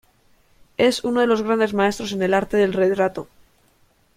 Es uno de los grandes maestros en el arte del retrato.